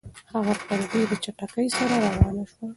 هغه په ډېرې چټکۍ سره روانه شوه.